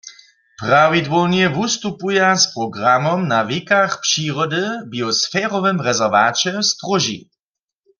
Prawidłownje wustupuja z programom na Wikach přirody w biosferowym rezerwaće w Stróži.